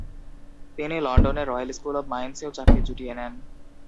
তিনি লন্ডনের royal school of মাইন্সেও চাকরি জুটিয়ে নেন।